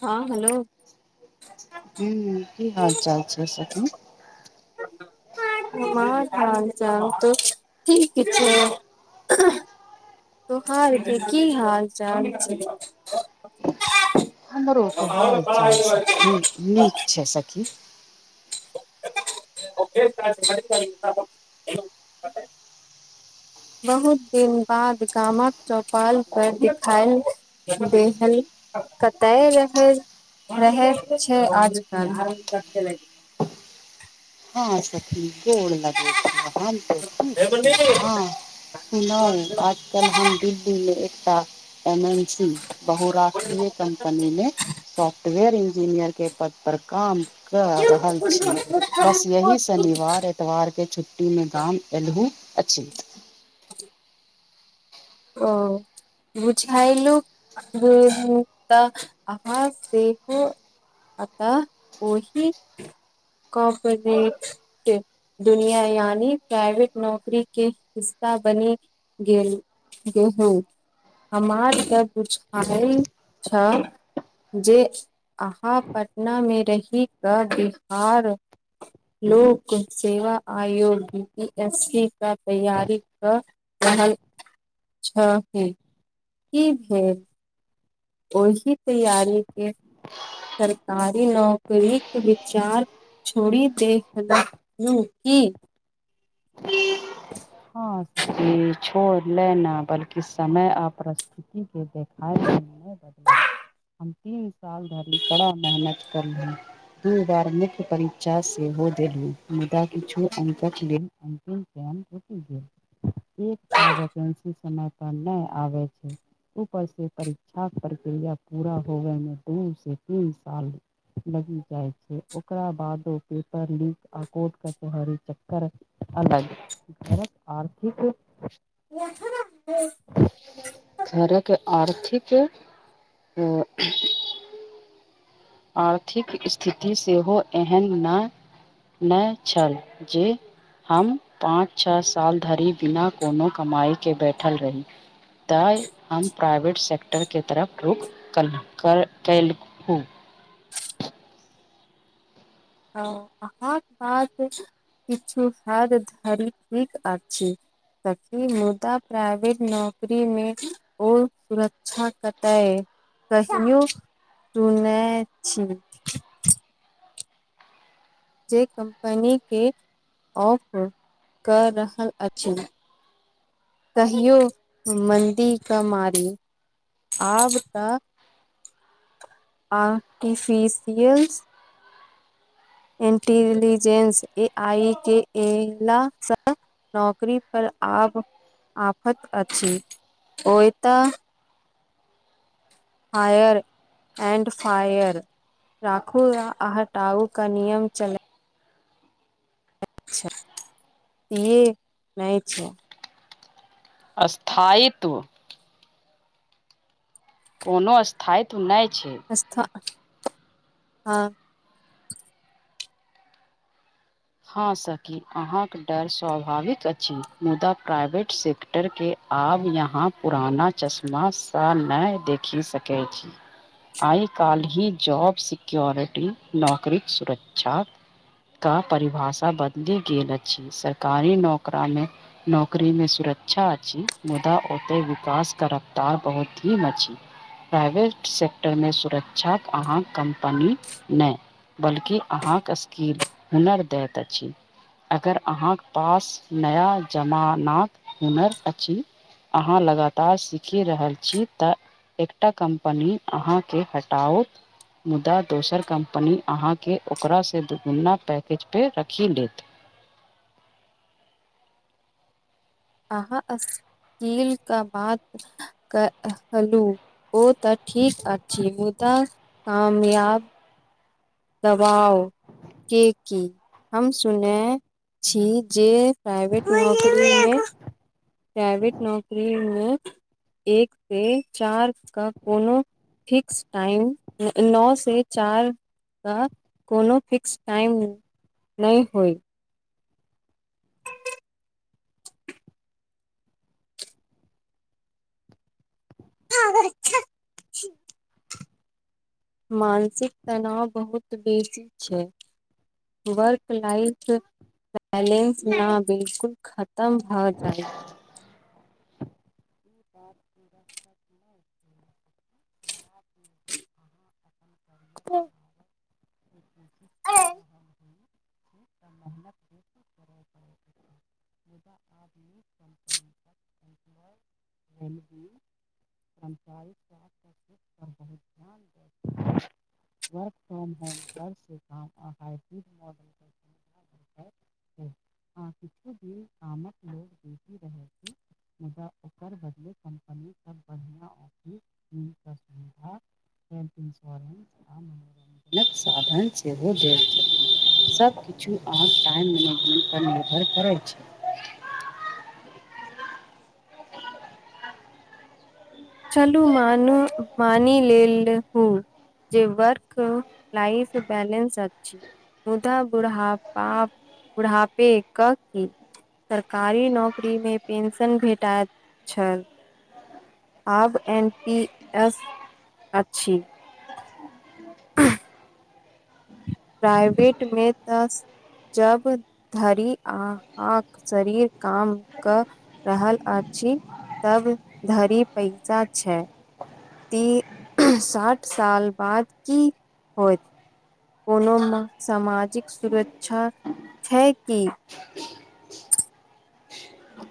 हँ हेलो। ह की हाल चाल छै सखि। [unintelligible] तोहार के कि हाल चाल छै। हमरो त हाल चाल सभ ठीक नीक छै सखी। [unintelligible] बहुत दिन बाद गामक चौपाल पर दिखायल। बेहन कतय रह। रहै छै हँ सखी गोर लगे छै हम त ठीक छी हँ सुना आ। कल हम दिल्लीमे एकटा एन्सी बहु राष्ट्रीय कम्पनीमे। सॉफ्टवेयर इंजीनियर के पद पर काम कर रहल छी। बस यही शनिवार एतवारके छुट्टीमे गाम एलहु अछि। ओ। बुझायल अहाँ सेहो आत ओहि कट दुनिया यानि प्राइवेट नौकरी के हिस्सा बनी गेल। गेहूँ हमार के बुझइ छै जे अहाँ पटनामे रहि कऽ बिहार। लोक सेवा आयोग बी पी एस सी का तैयार कऽ आ अच्छा हँ कि भेल ओहि तैयारी के सरकारी नौकरीक विचार [unintelligible] हँ छोड़ लेना बल्कि समय अप्रत [unintelligible] [inaudible] हम तीन साल धरि कड़ा [unintelligible] तीन बार मुख्य परीक्षा सेहो देलहु मुदा किछु अंकक लेल अन्तिम चयन [unintelligible] एकता वैकेन्सी समय पर नहि आबै छै ऊपर से परीक्षा प्रक्रिया पूरा होबे मे दू से तीन साल लगी जाइ छै ओकरा बाद ओ पेपर लीक आ कोर्ट कचहरी चक्कर अलग घर कऽ आर्थिक [inaudible] [unintelligible] घरके आर्थिक [unintelligible] आर्थिक स्थिति सेहो एहन नहि [inaudible] नहि छल जे हम पाँच छ साल धरि बिना कोनो कमाइ केँ बैठल रही तैं हम प्राइवेट सेक्टरके तरफ रुख कलू [unintelligible] [unintelligible] सकी मुदा प्राइवेट नौकरीमे ओर सुरक्षा कतय कहियो तू नै छी जै कम्पनी केँ ऑफ कऽ रहल अछि तहियो मन्दी कऽ मारी आब तऽ [inaudible] आर्टिफिशियल इंटेलिजेंस ए आई केँ एला स नौकरी पर आब आफत अछि ओय तऽ हायर एंड फायर राखू या आ हटाउ केँ नियम चलय [unintelligible] स्थायित्व कोनो स्थायित्व नहि छै [unintelligible] हँ सकी अहाँक डर स्वाभाविक अछि मुदा प्राइवेट से क्टर केँ आब यहाँ पुराना चश्मा सँ नहि देखि सकैत छी आइ काल्हि जॉब सिक्योरिटी नौकरीक सुरक्षा का परिभाषा बदली गेल अछि सरकारी नौकरा मे नौकरी मे सुरक्षा अछि मुदा ओते विकास कऽ रफ्तार बहुत धीम अछि प्राइवेट सेक्टरमे सुरक्षाक अहाँ कम्पनी नै बल्कि अहाँ केँ स्किल हुनर दैत अछि अगर अहाँ केँ पास नया जमानाक हुनर अछि अहाँ लगातार सीखि रहल छी तऽ एकटा कम्पनी अहाँ केँ हटाउ मुदा दोसर कम्पनी अहाँकेँ ओकरासँ दुगुना पैकेज पर रखि लेत अहाँ अस [inaudible] कील कऽ बात कहलु ओ तऽ ठीक अछि मुदा कामयाब दबाउ [inaudible] की की हम सुन छी जे प्राइवेट नौकरी मे प्राइवेट नौकरी मे एक पे चार कऽ कोनो फिक्स टाइम नौ से चार कऽ कोनो फिक्स टाइम [inaudible] नहि होइ [unintelligible] मानसिक तनाव बहुत बेसी छै वर्क लाइफ बैलेंस नऽ बिल्कुल खतम भऽ जैत [inaudible] [inaudible] [unintelligible] [inaudible] [inaudible] [inaudible] [inaudible] [unintelligible] वर्क फ्राम होम घर से काम आ हाइब्रिड मॉडल सुविधा भेटैत आ छै किछु दिन गामक लोग बीजी रहैत हँ [unintelligible] [unintelligible] [unintelligible] [unintelligible] सब किछु अहाँक टाइम मैनेजमेंट पर निर्भर करै छैय चलू मानू पानी लेल हू जे वर्क लाइफ बालेन्स अछि मुदा बुड़हाबाप बुड़हापे कऽ की सरकारी नौकरीमे पेंशन भेटइत छल आब एन पी एस [inaudible] अछि [unintelligible] प्राइवेटमे तऽ जब धरि आहाँ कऽ शरीर काम कऽ रहल अछि तब धरि पैसा छै ती [unintelligible] साठि साल बाद की होइत कोनोमे सामाजिक सुरक्षा छै कि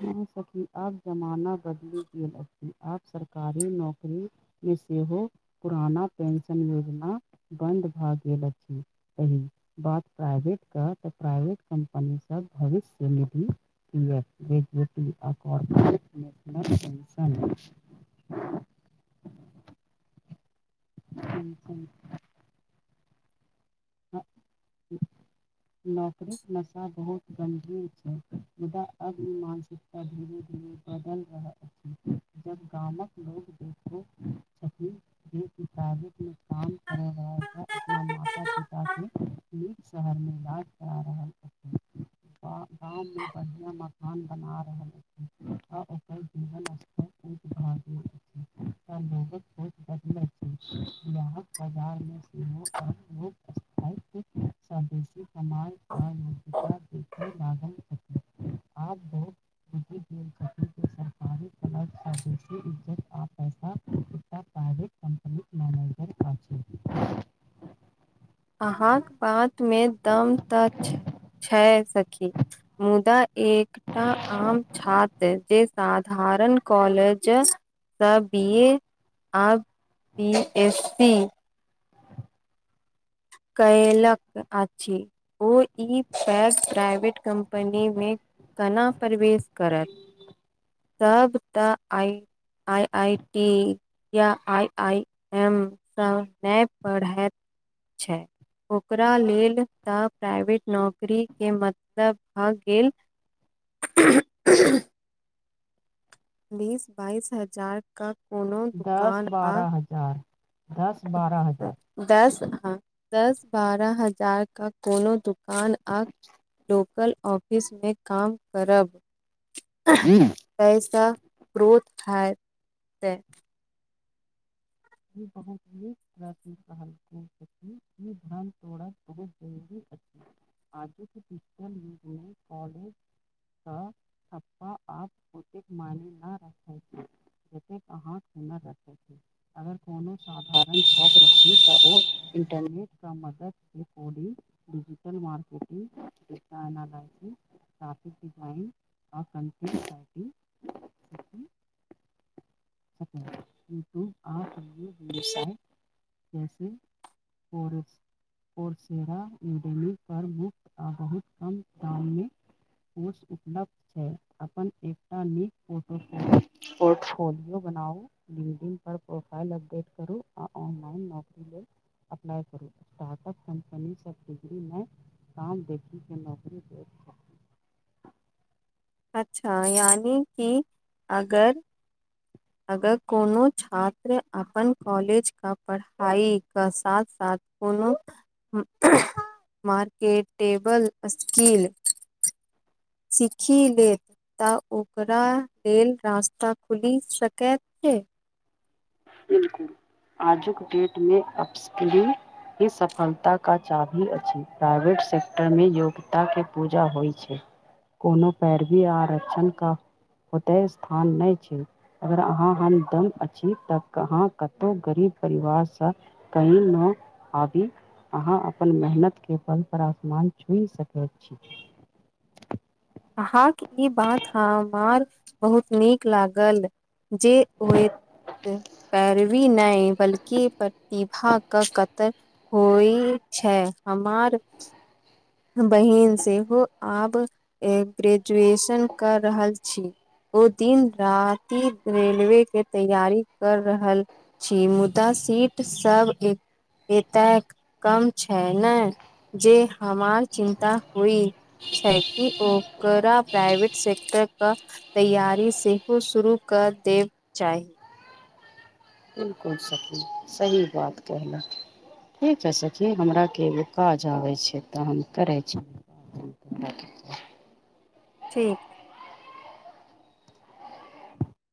नै सखी आब जमाना बदलि गेल अछि आब सरकारी नौकरी मे सेहो पुराना पेंशन योजना बन्द भए गेल अछि। बात प्राइवेटके तऽ प्राइवेट कम्पनीसभ भविष्य निधि [unintelligible] [unintelligible] [unintelligible] नौकरीके नशा बहुत गंभीर छै मुदा अब मानसिक धीरे धीरे बदल रह अछि। जब गामक लोग देखो छथि एक मुताबिक मे काम कर रह अपना माता पिता केँ निक शहर मे इलाज करा रहल छथि। गाँव में बढ़िया मकान बना रहले है। [unintelligible] गेल अछि तऽ लोगक सोच बदलैत छै बिहारक बाजार मे सेहो आब [unintelligible] लोक स्थायित्व [unintelligible] देखय लागल छथि आब बहुत बुझि गेल छथि जे सरकारी क्लब सँ इज्जत आ पैसा प्राइवेट कम्पनीक मैनेजर अछि अहाँक बातमे दम तऽ [inaudible] छै। सखी मुदा एक टा आम छात्र जे साधारण कॉलेज सऽ बी ए आ बी एस सी कयलक अछि। ओ ई पैस प्राइवेट कम्पनीमे केना प्रवेश करत [unintelligible] तब तऽ आइ। आइ आइ टी या आई आई एम सँ नहि पढ़ैत छै। ओकरा लेल तऽ प्राइवेट नौकरी केँ मतलब भऽ गेल। [inaudible] बीस बाइस हजार कऽ कोनो दस दुकान आ [unintelligible] दस बारह हजार दस [unintelligible] दस बारह हजार कऽ कोनो दुकान आ लोकल ऑफिसमे काम करब। [inaudible] [unintelligible] पैसा ग्रोथ है [inaudible] तै [unintelligible] [unintelligible] तोड़ा बहुत जरूरत अछि आगे कऽ [unintelligible] कॉलेज [unintelligible] एक मानी हारा रखै छै अगर कोनो साधारण छात्र [unintelligible] रखी तऽ ओ इंटरनेट क मदद according data analysis graphic design आ कंटेंट राइटिंग सीखि सकैत यूट्यूब आ [unintelligible] जैसे [unintelligible] [unintelligible] मुफ्त आ बहुत कम दाममे कोर्स उपलब्ध छै। अपन एकटा नीक पोटोल [unintelligible] पोर्टफोलियो बनाउ बीडिंग पर प्रोफाइल अपडेट करू आ ऑनलाइन। अपना करू। सब कम्पनी सब डिग्री नै काम केँ देखे नौकरी देते अच्छा यानी कि अगर अगर कोनो छात्र अपन कॉलेज का पढ़ाइ कऽ साथ साथ कोनो [unintelligible] मार्केटेबल स्किल सीखी लेत कऽ ओकरा लेल रास्ता खुलि सकैत छै बिल्कूल आजुक अप्सक ई सफलता का चाभी अछि प्राइवेट सेक्टरमे योग्यताके पूजा होइत छै। कोनो पैरवी आरक्षण कऽ ओते स्थान नहि छै अगर अहाँ हमदम अछि तऽ। कहाँ कतहु गरीब परिवारसँ कही मे आबी अहाँ अपन मेहनतके फल पर आसमान छूनि सकैत छी। अहाँकेँ ई बात हमर बहुत नीक लागल जे होए। पैरवी नहि बल्कि प्रतिभा कऽ कतर होइ छै हमर। बहिन सेहो आब ग्रेजुएशन कऽ रहल छी। ओ दिन राति रेलवे के तैयारी कर रहल। छी मुदा सीट सभ एक एतय कम छै ने जे हमार चिन्ता हई। छै कि ओकरा प्राइवेट सेक्टर कऽ। तैयारी सेहो शुरू कऽ देब चाही। बिलकुल सकी सही बात कहनाहु। ठीक छै सखी हमराके एगो काज आबै छै तऽ हम करै छी। ठीक।